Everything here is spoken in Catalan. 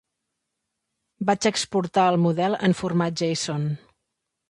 Vaig exportar el model en format json.